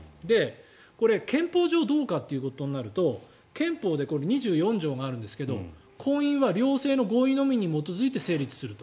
これ、憲法上どうかというと憲法で２４条があるんですが婚姻は両性の合意のみに基づいて成立すると。